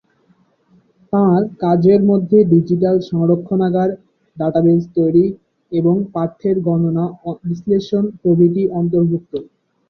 তাঁর কাজের মধ্যে ডিজিটাল সংরক্ষণাগার, ডাটাবেস তৈরি এবং পাঠ্যের গণনা বিশ্লেষণ প্রভৃতি অন্তর্ভুক্ত।